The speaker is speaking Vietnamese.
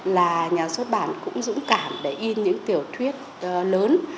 là nhà xuất bản cũng dũng cảm để in những tiểu thuyết lớn